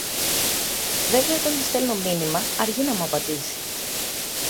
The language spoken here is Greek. Βέβαια όταν της στέλνω μήνυμα αργεί να μου απαντήσει.